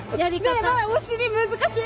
ねえお尻難しい。